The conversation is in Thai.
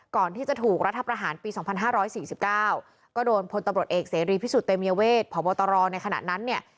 ก่อนที่จะถูกรัฐประหารปี๒๕๔๙ก็โดนพลตำรวจเอกเสรีพิสุทธิเตมียเวทพบตรในขณะนั้นเนี่ย